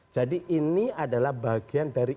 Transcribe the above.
ini adalah bagian dari